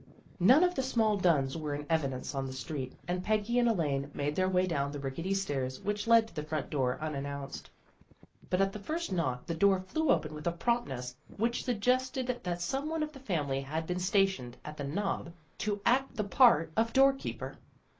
None of the small Dunns were in evidence on the street, and Peggy and Elaine made their way down the rickety stairs which led to the front door, unannounced. But at the first knock the door flew open with a promptness which suggested that someone of the family had been stationed at the knob to act the part 208 THE GIRLS OF FRIENDLY TERRACE of door keeper.